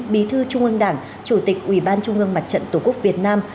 bí thư trung ương đảng chủ tịch ubnd mặt trận tổ quốc việt nam